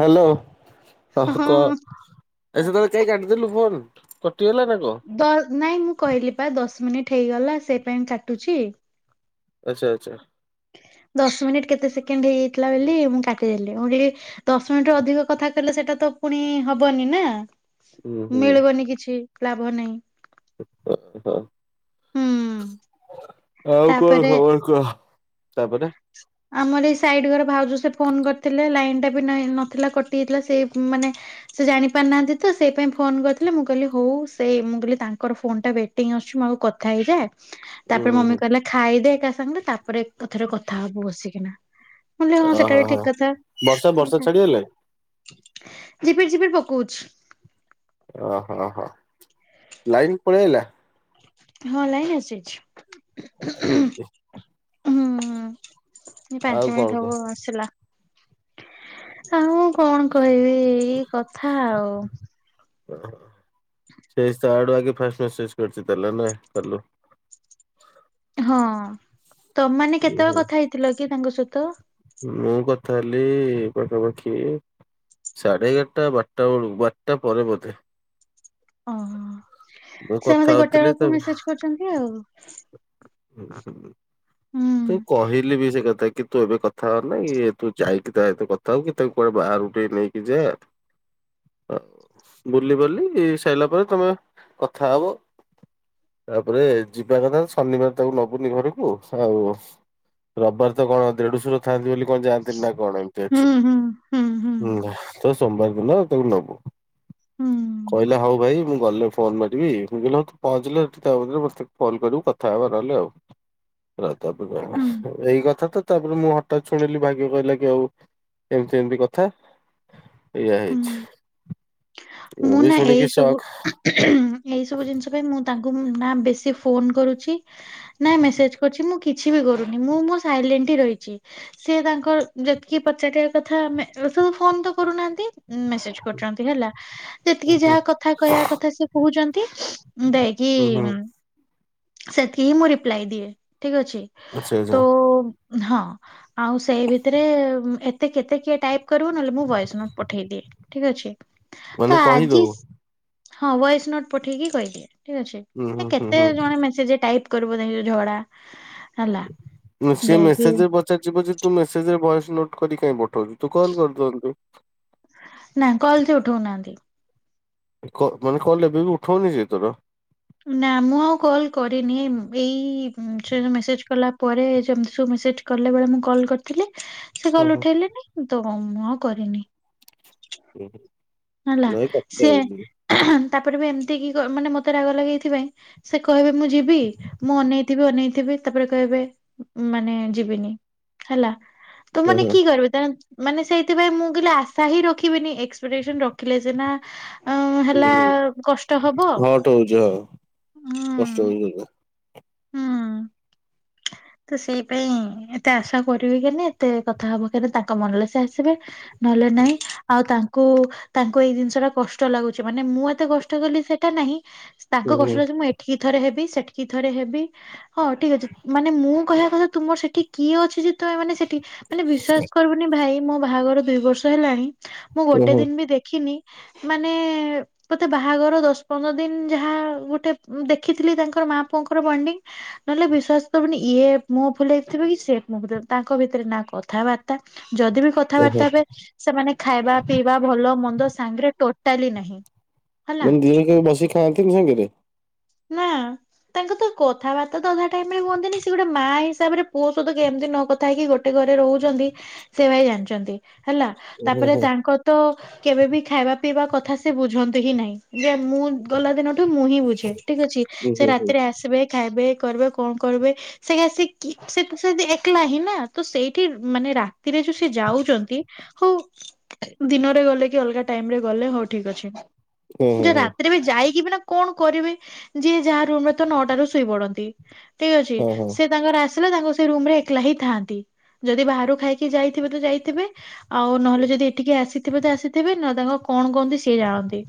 Hello. ହଉ ହଁ କ ଏ ସେତେବେଳ କାଇଁ କାଟିଦେଲୁ ଫୋନ? କଟିଗଲା ନା କଣ? ଦ ନାଇଁ ମୁଁ କହିଲି ପା ଦଶ ମିନିଟ ହେଇଗଲା ସେଇ ପାଇଁ କାଟୁଛି। ଆଚଛା ଆଚ୍ଛା। ଦଶ ମିନିଟ କେତେ ସେକେଣ୍ଡ ହେଇଯାଇଥିଲା ବୋଲି ମୁଁ କାଟିଦେଲିି ମୁ କହିଲି ଦଶ ମିନିଟରୁ ଅଧିକ କଥା କହୀ ସେଟା ତ ପୁଣି ହବନି ନା ହୁଁ ହୁଁ ମିଳିବନି କିଛି ଲାଭ ନାହିଁ। ହ ହୁଁ ଆଉ କଣ ତାପରେ ଖବର କହ? ତାପରେ? ଆମର ଏଇ ସାଇଡ ଘର ଭାଉଜ ସେ ଫୋନ କରିଥିଲେ ଲାଇନ ଟା ବି ନଥିଲା କଟି ଯାଇଥିଲା ସେଇ ମାନେ ସେ ଜାଣି ପାରୁ ନାହାନ୍ତି ତ ସେଇ ପାଇଁ ଫୋନ କରିଥିଲେ ମୁଁ କହିଲି ହଉ ସେ ମୁଁ କହିଲି ତାଙ୍କର ଫୋନ ଟା ୱେଟିଙ୍ଗ ଆସୁଚି ହଁ କଥା ହେଇଯାଏ। ହୁଁ ତାପରେ ହୁଁ ମମି ହୁଁ କହିଲେ ଖାଇଦେ ଏକା ସାଙ୍ଗରେ ତାପରେ ଏକାଥରେ କଥା ହବୁ ବସିକିନା। ମୁ କହିଲି ହଁ ସେଟା ଓହୋ ବି ହୋ ଠିକ କଥା ବର୍ଷା ବର୍ଷା ଛାଡିଗଲାଣି ଯିବି ଯିବି। କହୁଚି। ଅ ହଁ ହଁ ଲାଇନ ପଳେଇ ଆଇଲା? ହଁ ଲାଇନ ଆସିଯାଇଛି। ହୁଁ ଏ ଆଉ ପାଞ୍ଚ କଣ ମିନିଟ କହ ହବ ଆସିଲା। ଆଉ କଣ କହିବି ଏଇ କଥା ଆଉ। ଓ ହୋ। ସେସ୍ ତା ଆଡୁ ଆଗେ ଫାଷ୍ଟ ମେସେଜ କରଚି ତାହାଲେ ନେଇ କଲୁ। ହଁ ତମେମାନେ କେତେବେଳେ ହୁଁ କଥା ହେଇଥିଲ କି ତାଙ୍କ ସହିତ? ମୁଁ କଥା ହେଲି ପାଖାପାଖି ସାଢ଼େ ଏଗାରଟା ବାରଟା ବଳକୁ ବାରଟା ପରେେ ବୋଧେ। ଓୋ ମୁଁ ସେ କଥା ମତେ ଗୋଟେ ହଉଥିଲି ବେଳକୁ ମେସେଜ କରୁଚନ୍ତି ଆଉ। ହୁଁ ହୁଁ। ହୁଁ ତୁ କହିଲି ବି ସେ କଥା କି ତୁ ଏବେ କଥା ହୋନା ତୁ ଯାଇକି ତା ଏତ କଥା ହଉ କି ତାଙ୍କୁ କୁଆଡେ ବା ରୁଟି ନେଇକି ଯା ଆ ବୁଲି ବାଲି ସାରିଲା ପରେ ତମେ କଥା ହବ। ତାପରେ ଯିବା କଥା ଶନିବାର ତାକୁ ନବୁନି ଘରକୁ ଆଉ ରବିବାର ତ କଣ ଦେଢଶୁର ଥାଆନ୍ତି ବୋଲି କଣ ଯାଆନ୍ତିନ ନା କଣ ଏମିତି ହୁଁ ଅଛି। ହୁଁ ହୁଁ ହୁଁ। ତ ସୋମବାର ଦିନ ତାକୁ ନବୁ ହୁଁ କହିଲା ହଉ ଭାଇ ମୁଁ ଗଲେ ଫୋନ ମାରିବି ମୁ କହିଲି ପହଞ୍ଚିଲେ ତାରେ ମୋତେ ଫୋନ କରିବୁ କଥା ହେବା ନହେଲେ ଆଉ। ତାପରେ ହୁଁ ଏଇ କଥା ତ। ତାପରେ ମୁଁ ହଠାତ ଶୁଣିଲି ଭାଗ୍ୟ କହିଲା କି ଆଉ ଏମତି ଏମିତି କଥା। ଏଇଆା ହୁଁ। ହେଇଛି। ମୁଁ ବି ନା ଏଇ ଶୁଣିକି ସବୁ ସକ୍ ଏଇ ସବୁ ଜିନିଷ ପାଇଁ ମୁଁ ତାଙ୍କ ବ ନା ବେଶୀ ଫୋନ କରୁଛି ନା ମେସେଜ କରୁଛି ମୁଁ କିଛି ବି କରୁନି ମୁଁ ମୋ ସାଇଲେଣ୍ଟ [inaudible] ରହିଚି ସି ତାଙ୍କର ଯେତିକି ପଚାରିବା କଥା ଆମେ ଫୋନ ତ କରୁନାହାନ୍ତି। ମେସେଜ କରୁଛନ୍ତି ହେଲା ଯେତିକି ଯାହା ହୁଁ ଯାହା କଥା କହିବା କଥା ସେ କହୁଛନ୍ତି ଯାକି କି ହୁଁ ଉମ [unintelligible] ସେତିକି ହିଁ ମୁଁ ରିପ୍ଲାଏ ଦିଏ ଠିକ ଅଛି ଆଚ୍ଛା ଆଚ୍ଛା ତ ହଁ ଆଉ ସେଇ ଭିତରେ ଏତେ କେତେ କିଏ ଟାଇପ୍ କରିବ ନହେଲେ ମୁଁ ଭଏସ ନୋଟ। ପଠେଇ ଦିଏ ଠିକ ଅଛି। ତ ମାନେ ଆଜି କହିଦଉ ହଁ ଭଏସ ନୋଟ୍ ପଠେଇକି କହିଲେ ଠିକ ହୁଁ ହୁଁ ଅଛି ହୁଁ କେତେ ହୁଁ ଜଣେ ମେସେଜ ଟାଇପ୍ କରିବ ନାାଇଁ ଯୋଉ ଝଗଡା। ସି ମେସେଜରେ ପଚାର ଯିବ ଯେ ତୁ ମେସେଜର ବୟସ। ନୋଟ କରି କାଇଁ ପଠଉଛୁ ତୁ କଲ କରିଦିଅନ୍ତୁ। ନା କଲ ସେ ଉଠଉନାହାନ୍ତି। କ ମାନେ କଲ୍ ବି ଉଠାଉନି ସେ ତୋର? ନା ମୁଁ ଆଉ କଲ କରିନି ଏଇ ମେସେଜ କଲା ପରେ ଯେମିତି ସେଠି କଲାବେେଳେ ମୁଁ କଲ୍ କରିଥିଲେ । ସେ ହଁ କଲ ହଁ ଉଠେଇଲେନି ତ ମୁଁ ଆଉ କରିନି । ହୁଁ । ହେଲା ସିଏ ତାପରେ ବି ଏମିତି କି ମାନେ ମୋତେ ରାଗ ଲାଗେଏଇଥିପାଇଁ ସେ କହିବେ ମୁଁ ଯିବି ମୁଁ ଅନେଇଥିବି ଅନେଇଥିବି ତାପରେ କହିବେ ମାନେ ଯିବିନି ହେଲା। ତ ହଁ ମାନେ ହଁ କି କରିବେ? ମାନେ ସେଇଥିପାଇଁ ମୁଁ କହେ ଆଶା ହିଁ ରଖିବିନି ଏକ୍ସପେଟସନ ରଖି ରଖିଲେ ସିନା ଆ ହେଲା କଷ୍ଟ ହବ। ହଟ୍ ହଉଛି ହଁ କଷ୍ଟ ହୁଁ। ହଉଛି ଏଇନା। ହୁଁ। ତ ସେଇ ପାଇଁ ଏତେ ଆଶା କରିବି କେନେଏତେ କଥା ହବ କେ ତାଙ୍କ ମନରେ ସେ ଆସିବେ ନହେଲେ ନାହିଁ ଆଉ ତାଙ୍କୁ ତାଙ୍କୁ ଏଇ ଜିନିଷଟା କଷ୍ଟ ଲାଗୁଛି। ମାନେ ମୁଁ ଏତେ କଷ୍ଟ କଲି ସେଇଟା ନାହିଁ। ହୁଁ ତାଙ୍କ ହୁଁ କଷ୍ଟ ଲାଗୁଛି ମୁଁ ଏଠିକି ଥରେ ହେବି ସେଠିକି ଥରେ ହେବି ହଁ ଠିକ ଅଛି। ମାନେ ମୁଁ କହିବା କଥା ତୁମର ସେଠି କିଏ ଅଛି? ଯେ ତମେମାନେ ସେଠି ମାନେ ବିଶ୍ୱାସ କରିବୁନି ଭାଇ। ମୋ ବାହାଘର ଦୁଇ ବର୍ଷ ହେଲାଣି ମୁଁ ଗୋଟେ ଓହୋ ଦିନ ବି ଦେଖିନି ମାନେ ମୋତେ ବାହାଘର ଦଶ ପନ୍ଦର ଦିନ ଯାହା ଗୋଟେ ଦେଖିଥିଲି ତାଙ୍କର ମା ପୁଅଙ୍କର ବଣ୍ଡିଙ୍ଗ ନହଲେ ବିଶ୍ୱାସ। ତାମାନେ ଇଏ ମୁହଁ ଫୁଲେଇ ଥିବ କି ସେ । ତାଙ୍କ ଭିତରେ ନା କଥାବାର୍ତ୍ତା। ଯଦି ବିି ଓହୋ କଥାବାର୍ତ୍ତା ହେବେ ।ସେମାନେ ଖାଇବା ପିଇବା ଭଲ, ମନ୍ଦ ସାଙ୍ଗରେ ସେଟାବି ନାହିଁ। ହେଲା। ଯିଏ ଯାହା ବସିିକି ଖାଆନ୍ତିନି ସାଙ୍ଗରେ। ନା ତାଙ୍କ ତ କଥାବାର୍ତ୍ତା ତ ଅଧା ଟାଇମ ରେ ହୁଅନ୍ତିନି। ସେ ଗୋଟେ ମା ହିସାବରେ ପୁଅ ସହ କେମିତି ନ କଥା ହେଇକି ଗୋଟେ ଗୋଟେ ଘରେ ରହୁଛନ୍ତି ।ସେ ଭାଇ ଜାଣିଛନ୍ତି ହେଲା ହୁଁ ହୁଁ ତାପରେ ହୁଁ ତାଙ୍କ ତ କେବେ ବିି ଖାଇବା ପିଇବା କଥା ସେ ବୁଝନ୍ତୁ ହିଁ ନାହିଁ। ଯେ ମୁଁ ଗଲା ଦିନଠୁ ମୁଁ ହିଁ ବୁଝେ ଠିକ ଅଛି। ସେ ହୁଁ ହୁଁ ରାତିରେ ଆସିବେ ଖାଇ କର କଣ କରିବେ? ସେ ଏକଲା ହିଁ ନା ତ ସେଇଠି ମାନେ ରା ରାତିରେ ଯୋଉ ସେ ଯାଉଛନ୍ତି, ହଉ ଦିନରେ ଗଲେ କି ଅଲଗା ଟାଇମରେ ଗଲେ ହଉ ଠିକ ଅଛି। ହୁଁ ହଁ ଯୋଉ ହଁ ରାତିରେ ବି ଯାଇକି ବି ନା କଣ କରିବେ? ଯିଏ ଯାହା ରୁମରେ ତ ନଅଟାରୁ ଶୋଇ ପଡନ୍ତି ।ଠିକ ଅଛି ହଁ ହଁ ସେ ତାଙ୍କର ଆ ସେ ରୁମ ରେ ଏକଲା ହିଁ ଥାନ୍ତି। ଯଦି ବାହାରୁ ଖାଇକି ଯାଇଥିବେ ତ ଯାଇଥିବେ। ଆଉ ନହେଲେ ଯଦି ଏଠିକି ଆସିଥିବେ ତ ଆସିଥିବେ ନ ତାଙ୍କ କଣ କହନ୍ତି ସିଏ ଜାଣନ୍ତି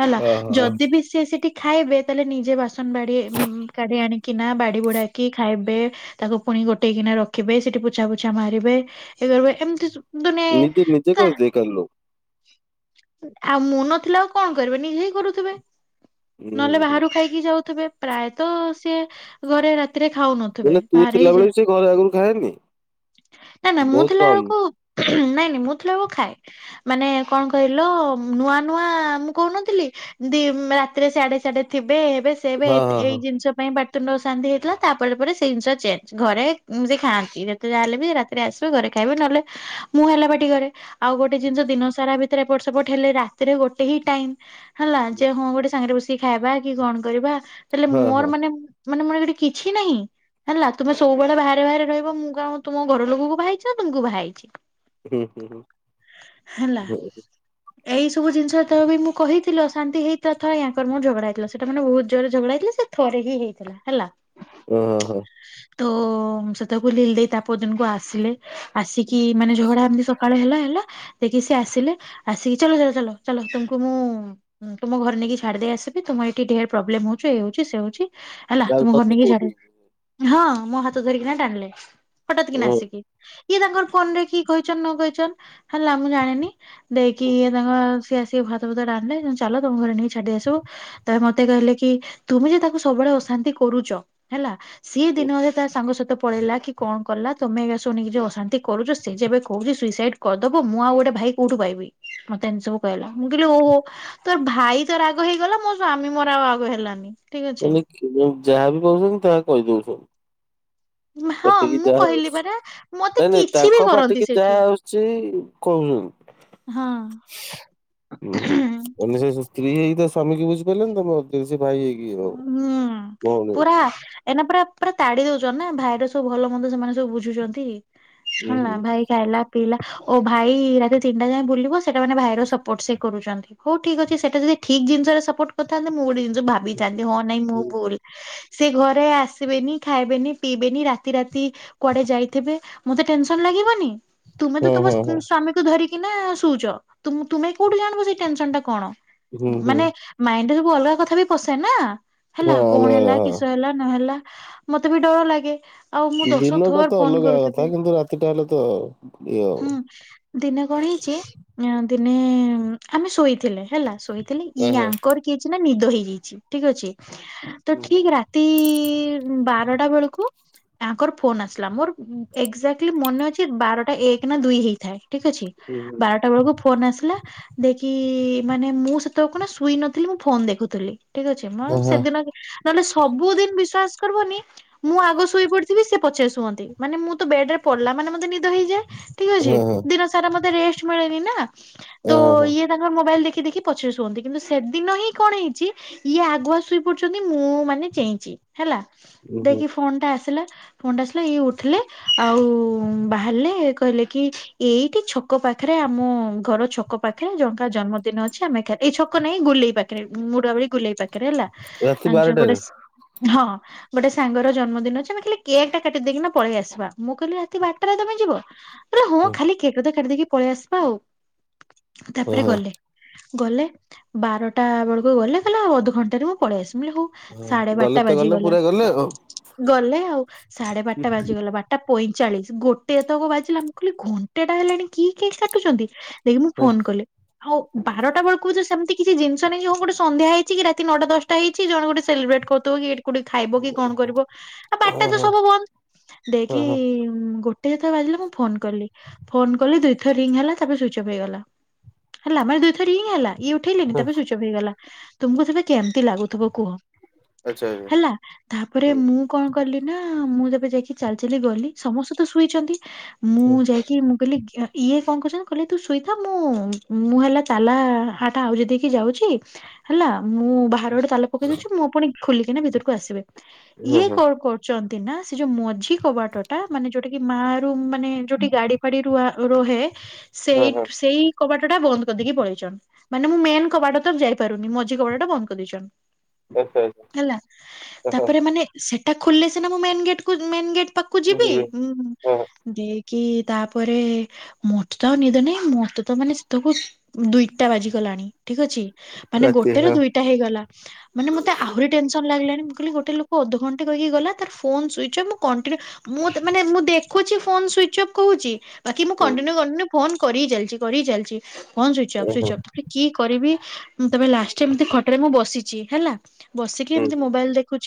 ହେଲା । ଓହୋ ଯଦି ବି ସିଏ ସେଠି ଖାଇବେ ତାହେଲେ ନିଜେ ବାସନ ବାଡି କାଢି ଆଣିକି ନା ବାଡି ବୁଡାକି ଖାଇବେ। ତାକୁ ଗୋଟେଇ କିନା ରଖିବେ, ସେଠି ପୋଛା ପୋଛା ମାରିବେ ଇ କର ଏମତି ସୁତୁ ଦିନେ ନିଜେ ନିଜେ କା କରିଦିଏ କାଲି ଲୋ ଆଉ ମୁଁ ନଥିଲା ଆଉ କଣ କରିବ, ନିଜେ ହିଁ କରୁଥିବେ। ହୁଁ ନହେଲେ ହୁଁ ବାହାରୁ ଖାଇକି ଯାଉଥିବେ। ପ୍ରାୟତଃ ସିଏ ଘରେ ରାତି ରାତିରେ ଖାଉ ନଥିବେ ମାନେ ତୁ ବାହାରେ ଯା। ଥିଲାବେଳେ ବି ସେ ଘରେ ଆଗରୁ ଖାଏନି ନା - ନା ମୁଁ ବହୁତ ଥିଲା କମ୍। ଆଳକୁ ନାଇଁ ନାଇଁ ମୁଁ ଥିଲା ବେଳେ ଖାଏ ।ମାନେ କଣ କହିଲ? ନୂଆ ନୂଆ ମୁଁ କହୁନଥିଲି। ଦି ରାତିରେ ସାଢଡେ ସାଡେ ଥିବେ ହେବେ ସେବେ ହଁ ହଁ ଏଇ ହଁ। ଜିନିଷ ପାଇଁ ବା ତୁଣ୍ଡ ଅଶାନ୍ତି ହେଇଥିଲା, ତାପରେ ପରେ ସେଇ ଜିନିଷ ଚେଞ୍ଜ ଘରେ ସେ ଖାଆନ୍ତି ।ଯେତେ ଯା ହେଲେ ବି ରାତିରେ ଆସିବ ଘରେ ଖାଇ ନହେଲେ ମୁଁ ହେଲା ବାଟିକରେ। ଆଉ ଗୋଟେ ଜିନିଷ ଦିନ ସାରା ଭିତରେ ଏପଟ ସେପଟ ହେଲେ ରାତିରେ ଗୋଟେ ହି ସେଇଥି ପାଇଁ ହେଲା ଯେ ହଁ ଗୋଟେ ସାଙ୍ଗରେ ବସିକି ଖାଇବା କି କଣ କରିବା? ହେଲେ ହଁ ମୋର ହଁ ମାନେ ମାନେ ମୋର ଗୋଟେ କିଛି ନାହିଁ। ହେଲା ତୁମେ ସବୁବେଳେ ବାହାରେ ବାହାରେ ରହିବ। ମୁଁ କଣ ତୁମ ଘର ଲୋକଙ୍କୁ ବାହାଇଛି ନା ତୁମକୁ ବାହା ହେଇଛି? ହୁଁ- ହୁଁ ହେଲା - ହୁଁ - ହୁଁ। ଏଇ ସବୁ ଜିନିଷ ତ ବି ମୁଁ କହିଥିଲ ଶାନ୍ତି [unintelligible] ତାରମୋର ଝଗଡା ହେଇଥିଲା ।ସେଟା ମାନେ ବହୁତ ଜୋରରେ ଝଗଡା ହେଇଥିଲା। ସେ ଥରେ ହିଁ ହେଇଥିଲା ହେଲା। ହଁ ହଁ ହଁ ତ ସେତେବେଳକୁ ତା ପରଦିନକୁ ଲିଲି ଦେଇ ଆସିଲେ ।ଆସିକି ମାନେ ଝଗଡା ଏମତି ସକାଳେ ହେଲା ହେଲା ଦେଇକି ସେ ଆସିଲେ। ଆସିକି ଚାଲ -ଚାଲ -ଚାଲ -ଚାଲ ତୁମକୁ ମୁଁ ତୁମ ଘରେ ନେଇକି ଛାଡ଼ିଦେଇ ଆସିବି ତମ ଏଇଠି ଢେର ପ୍ରୋବଲେ ହଉଛ ଏଇଉଛି ସେ ହଉଛି। ହେଲା ଆଉ ତୁମ ଘର ତତେ ନେଇକି ଛାଡ କହୁଛନ୍ତି ହଁ ମୋ ହାତ ଧରିକିନା ଟାଣିଲେ ହଠାତ୍ କି ହଁ। ନାସିକି ଇଏ ତାଙ୍କର ଫୋନ ରେ କି କହିଛନ ନ କହିଛ ହେଲା ମୁଁ ଜାଣିନି? ଦେଇକିଏ ତାଙ୍କ ସିଏ ଆସିକି ଭାତ ଭୁତା ଟ ଆଣିଲେ ଚାଲ ତମ ଘରେ ନେଇ ଛାଡି ଆସିବୁ ତମେ ମତେ କହିଲେ କି ତୁମେ ଯେ ତାକୁ ସବୁବେଳେ ଅଶାନ୍ତି କରୁଛ ହେଲା ସିଏ ଦିନରେ ତା ସାଙ୍ଗସାଥି ପଳେଇଲା କି କଣ କଲା ତମେ ଶୁଣିକି ଅଶାନ୍ତି, କରୁଛ ସେ ଯେବେ କହୁଛି ସୁଇସାଇଡ୍ କରିଦବ ମୁଁ ଆଉ ଗୋଟେ ଭାଇ କୋଉଠୁ ପାଇବି ମତେ ଏମିତିବୁ କହିଲ ମୁଁ କହିଲି ଓହୋ ତୋ ଭାଇ ରାଗ ହେଇଗଲା ମୋ ସଵାମୀ ମୋର ଆଉ ଆଗ ହେଲାନି। ଠିକ ଅଛି ମାନେ ଯାହାବ କହୁଛନ୍ତି ତାହା କହି ଦଉଛୁ। ହଁ ପଟିକି ମୁଁ ଯାହା କହିଲି ଆସୁଛି ପରା ମତେ ନାଇଁ ନାଇଁ କିଛି ବି ତାଙ୍କ କରନ୍ତି ପାଟିକି ଯାହା ସେଠି ଆସୁଛି କହୁ ହଁ [unintelligible] ସ୍ତ୍ରୀ ହେଇ ତ ସ୍ୱାମୀ ବୁଝି ପାରିଲନି ତମେ ଅତି ହୁଁ ପୁରା ଏନା ପୁରା ପୁରା ତାଡି ଦଉଛ। ନା ଭାଇର ସବୁ ଭଲ ମନ୍ଦ ସେମାନେ ସବୁ ବୁଝୁଛନ୍ତି। ହୁଁ ହେଲା ହୁଁ ଭାଇ ଖାଇଲା ପିଇଲା ଓ ଭାଇ ରାତି ତିନିଟା ଯାଏ ବୁଲିବ ସେଟା ମେ ଭାଇର ସପୋର୍ଟ ସେ କରୁଛନ୍ତି। ହଉ ଠିକ ଅଛି ସେଇଟା ଯଦି ଠିକ ଜିନଷରେ ସପୋଟ କରିଥାନ୍ତ ମୁଁ ଗୋଟେ ଜିନିସ ଯନ୍ତି ହଁ ନାଇଁ ମୁଁ ଭୁଲ ସେ ଘରେ ଆସିବେନି ଖାଇବେନି ପିଇବେନି ରାତି ରାତି କୁଆଡେ ଯାଇଥିବେ ମତେ ଟେନସନ ଲାଗେ। ଲାଗିବନି। ତୁମେ ତ ହଁ ତମ ହଁ ହଁ ସ୍ଵାମୀକୁ ଧରିକି ନା ଶଉଛ ତୁମେ କୋଉଠୁ ଜାଣିବ ସେଇ ଟେନସନ ଟା କଣ? ହୁଁ ହୁଁ ମାନେ ମାଇଣ୍ଡରେ ସବୁ ଅଲଗା କଥା ବି ପସେ ନା। ହେଲା ହଁ କଣ ଅଲଗା ହେଲା କିସ ହଁ। ହେଲା ନହେଲା ମତେ ବି ଡର ଲାଗେ। ଆଉ ମୁଁ ଦଶ ଦିନଟା ଥର ତ ଫୋନ ଅଲଗା କଥା କରୁଥିବି କିନ୍ତୁ ରାତିଟା ହେଲେ ତ ଇଏ ଆଉ। ହୁଁ ଦିନେ କଣ ଯେ ଦିନେ ଆମେ ଶୋଇଥିଲେ ହେଲା ଶୋଇଥିଲେ ଇ ଓହୋ ଆଙ୍କର କିଏ ଅଛି ନା ନିଦ ହେଇଯାଇଛି ଠିକ ଅଛି ତ ହୁଁ ଠିକ ରାତି ଟି ବାରଟା ବେଳକୁ ତାଙ୍କର ଫୋନ ଆସିଲା ମୋର ଏକଯାକକ୍ଲି ମନେ ଅଛି ବାରଟା ବଟା ଏକ ନା ଦୁଇ ହେଇଥାଏ ଠିକ ଅଛି ହୁଁ ହୁଁ। ବାରଟା ବେଳକୁ ଫୋନ ଆସିଲା ଦେଖି ମାନେ ମୁଁ ସେତେବେଳେ କଣ ସୁଇ ନଥିଲି ମୁଁ ଫୋନ ଦେଖୁଥିଲି। ଠିକ ଅଛି ମ ହଁ ହଁ ସେଦିନ ନହେଲେ ସବୁଦିନ ବିଶ୍ଵାସ କରିବନି ମୁଁ ଆଗ ଶୋଇପଡିଥିବି ସେ ପଛରେ ଶୁଅନ୍ତି ମାନେ ମୁଁ ତ ବେଡ୍ ରେ ପଡିଲା ମାନେ ମତେ ନିଦ ହେଇଯାଏ ଠିକ ଅଛି ହଁ ହଁ ଦିନ ସାରା ମୋତେ ରେଷ୍ଟ ଛୁଏ ରୀନା ତ ହଁ ହଁ ଇଏ ତାଙ୍କର ମୋବାଇଲ ଦେଖି ଦେଖିପଛରେ ଶୁଅନ୍ତି କିନ୍ତୁ ସେଦିନ ହିଁ କଣ ହେଇଛି- ଇଏ ଆଗୁଆ ଶୋଇପଡୁଛନ୍ତି ମୁଁ ମାନେ ଚେଇଁଚି ହେଲା ହୁଁ ହୁଁ ଦେକି ଫୋନ ଟା ଆସିଲା! ଫୋନ୍ ଟା ଆସିଲା ଇ ଉଠିଲେ ଆଉ ବାହାରିଲେ କହିଲେ କି ଏଇଠି ଛକ ପା ପାଖରେ ଆମ ଘର ଛକ ପାଖରେ ଜଣଙ୍କ ଜନ୍ମଦିନ ଅଛି ଆମେ ଏଇ ଛକ ନାହିଁ ଗୁଲେଇ ପାଖରେ ମୁଡା ବିକି! ଗୁଲେଇ ପାଖରେ ହେଲା ଆ ରାତି ଜୋଉ ପଟେ ବାରଟାରେ ସେ ହଁ ଗୋଟେ ସାଙ୍ଗର ଜନ୍ମଦିନ ଅଛି ଆମେ ଖାଲି କେକ୍ ଟା କାଟିଦେଇକିନା ପଳେଇ ଆସିବା ମୁଁ କହିଲି ରାତି ବାରଟାରେ ତମେ ବ ହଁ ଖାଲି କେକ ତ କାଟି ଦେକି ପଳେଇ ଆସିବା ଆଉ ତାପରେ ହଁ। ଗଲେ। ଗଲେ ବାରଟା ବେଳକୁ ଗଲେ କଲେ ଅଧଘଣ୍ଟାରେ ମୁଁ ପଳେଇ ଆସିବି। ମୁଁ କହିଲି ହଉ ହଁ ସାଢେ ଗଲେ ବାରଟା ତ ଗଲେ ବାଜିଗଲା। ପୁରା ଗଲେ ଆଉ। ଗଲେ ଆଉ ସାଢେ ବାରଟା ବାଜିଗଲା ବାରଟା ପଇଁଚାଳିଶି ଗୋଟେ ତ କ ବାଜିଲା ମୁଁ କହିଲି ଘଣ୍ଟେ ଟା ହେଲାଣି କି କେକେ କାଟୁଛନ୍ତି। ଦେଖି ମୁଁ ହଁ ଫୋନ କଲି ହୋଉ ବାରଟା ବେଳକୁ କହୁଛ ସେମିତି କିଛି ଜିନିଷ ନାଇଁ ଯୋଉ ଗୋଟେ ସନ୍ଧ୍ୟା ହେଇ ଠିକ ରାତି ନଅଟା ଦଶଟା ହେଇଛି ଜଣ ଗୋଟେସେଲି ବେ ଟ କରିଦବ କି ଏଇଠି! କୋଠିକି ଖାଇବ କି କଣ କରିବ ବାରଟା ହଁ ତ ହଁ ସବୁ ବନ୍ଦ ହଁ ଦେଇକି ହଁ ହଁ ଗୋ- ଦିଥ ର ବାଜିଲେ ମୁଁ ଫୋନ କଲି ଫୋନ କଲି ଦୁଇଥରରିଙ୍ଗ ହେଲା ତାପରେ ସ୍ୱିଚ୍ ଅପ୍ ହେଇଗଲା! ହେଲା ମା ଦୁଇଥର ରିଙ୍ଗିହେଲାଇଏ ଉଠେଇଲେ ନିତା ପରେ ସୁଇଜ୍‌ ଅପହେଇଗଲା! ତୁମକୁ ସେବେ କେମିତି ଲାଗୁଥିବ କୁହ । ଆଚ୍ଛା ଆଚ୍ଛା ହେଲା ତାପରେ ହୁଁ ମୁଁ କଣ କଲି ନା ମୁଁ ଯେବେ ଯାଇକି ଚାଲି ଚାଲି ଗଲି, ସମସ୍ତେ ତ ଶୋଇଛନ୍ତି, ମୁଁ ଯାଇକି ମୁଁ କହିଲି ହ ଇଏ କଣ କହୁଛନ୍ତି କହିଲେ ତୁ ଶୋଇଥା ମୁଁ ମୁଁ ହେଲା ତାଲା ହାଟ ଆଉଜି ଦେଇକି ଯାଉଛି। ହେଲା ମୁଁ ବାହାରେ ଗୋଟେ ତାଲା ପକେଇ ଦଉଛି ମୁଁ ପୁଣି ଖୋଲିକିନା ଭିତରକୁ ଆସିବି। ହୁଁ ଇଏ ହୁଁ। କଣ କରୁଛ? ତିଇନା ସେ ଯୋଉ ମଝି କବାଟ ଟା ମାନେ ଯୋଉଟା କି ମା ରୁ ମାନେ ଯୋଉଠି ଗାଡି ଫାଡି ର ରହେ, ହଁ ସେଇ ହଁ ସେଇ କବାଟ ଟା ବନ୍ଦ କରିଦେଇକି ପଳେଇଛନ୍ ମାନେ ମୁଁ ମେନ କବାଟ ତ ଯାଇ ପାରୁନି ମଝି କବାଟଟା ବନ୍ଦ କରି ଦେଇଛନ୍ତି। ଆଚ୍ଛା ଆଚ୍ଛା ହେଲା ହଁ ହଁ ତାପରେ ମାନେ ସେ ଟା ଖୋଲିଲେ ସିନା ମୁଁ ମେନ୍ ଗେଟ୍ କୁ ମେନ୍ ଗେଟ୍ ପାଖକୁ ଯିବି। ଯିବେ ହଁ କି ତାପରେ ମୋତେ ତ ଆଉ ନିଦ ନାଇଁ ମୋତେ ତ ମାନେ ସେତକୁ ଦୁଇଟା ବାଜିଗଲା। ଲାନି ଠିକ୍ ଅଛି ମାନେ ରାତି ଗୋଟେ ର ହଁ। ଦୁିଟା ହେଇଗଲା ମାନେ ମତେ ଆହୁରି ଟେନ୍ସନ ଲାଗିଲାନି କହିଲି ଗୋଟେ ଲୋକ ଅଧଘଣ୍ଟେ କହିଲି ଗଲା। ତାର ଫୋନ୍ ସ୍ଵିଚ ଅଫ ମୁଁ କଣ୍ଟିନୁ ମୁଁ ମାନେ ମୁଁ ଦେଖୁଛି ଫୋନ୍ ସ୍ୱିଚ ଅଫ୍ କହୁଛି । ବାକି ମୁଁ ହୁଁ କଣ୍ଟିନ୍ୟୁ କାଣ୍ଟିନ୍ୟୁ ଫୋନ କରି ହି ଚାଲିଛି, କରି ହି ଚାଲିଛି ଫୋନ ସ୍ଵିଛ ଅଫ୍ ହୁଁ ସୁଇଚ୍ ଅଫ୍ ତ କି କରିବି? ତମେ ଲାଷ୍ଟ ଏମିତି ଖଟରେ ମୁଁ ବସିଛି ହେଲା ବସିକି ହୁଁ। ଏମିତି ମୋବାଇଲ ଦେଖୁଛି।